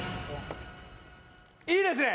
いいですね！